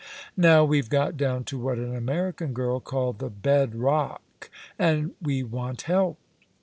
Now we've got down to what an American girl called the bed rock, and we want help."